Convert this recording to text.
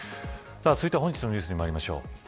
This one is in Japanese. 続いては、本日のニュースにまいりましょう。